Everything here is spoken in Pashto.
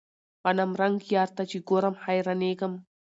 غنمرنګ يار ته چې ګورم حيرانېږم.